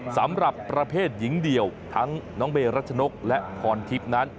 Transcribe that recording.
สำหรับประเภทหญิงเดี่ยวทั้งน้องเมรัชนกและพรทิพย์นั้น